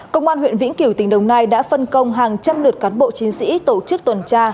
công an huyện vĩnh kiểu tỉnh đồng nai đã phân công hàng trăm lượt cán bộ chiến sĩ tổ chức tuần tra